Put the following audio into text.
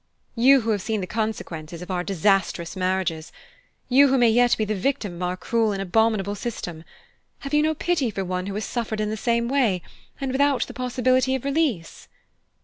You who have seen the consequences of our disastrous marriages you who may yet be the victim of our cruel and abominable system; have you no pity for one who has suffered in the same way, and without the possibility of release?"